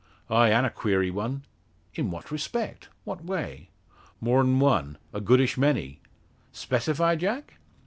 "Ay; an' a queery one." "In what respect? what way?" "More'n one a goodish many." "Specify, Jack?"